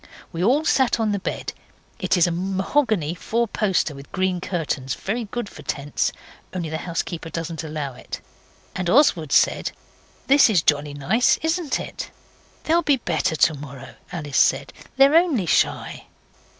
We all sat on the bed it is a mahogany fourposter with green curtains very good for tents, only the housekeeper doesn't allow it, and Oswald said 'This is jolly nice, isn't it?' 'They'll be better to morrow,' Alice said, 'they're only shy.